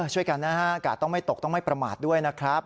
ช่วยกันนะฮะอากาศต้องไม่ตกต้องไม่ประมาทด้วยนะครับ